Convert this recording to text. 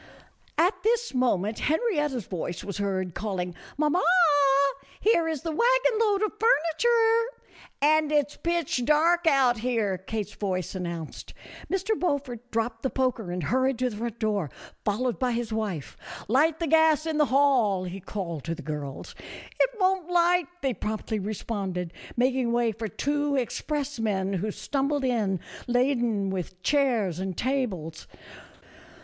At this moment Henrietta's voice was heard call ing " Mamma, here is the wagon load of furniture." "And it's pitch dark out here," Kate's voice an nounced. Mr. Beaufort dropped the poker and hurried to the front door, followed by his wife. " Light the gas in the hall," he called to the girls. " It won't light," they promptly responded, mak ing way for two expressmen who stumbled in, laden with chairs and tables.